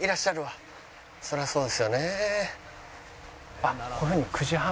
あっこういうふうに９時半。